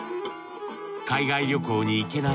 海外旅行に行けない